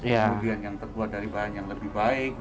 kemudian yang terbuat dari bahan yang lebih baik